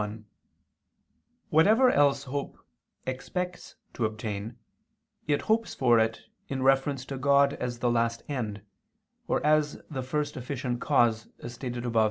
1: Whatever else hope expects to obtain, it hopes for it in reference to God as the last end, or as the first efficient cause, as stated above (A.